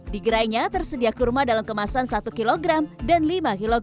di gerainya tersedia kurma dalam kemasan satu kg dan lima kg